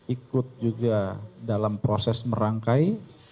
ikut juga dalam proses merangkai